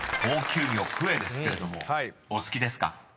［高級魚クエですけれどもお好きですか？］